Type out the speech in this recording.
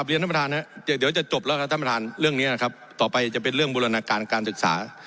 เรียนท่านประธานครับเดี๋ยวจะจบแล้วครับท่านประธานเรื่องนี้นะครับต่อไปจะเป็นเรื่องบูรณาการการศึกษา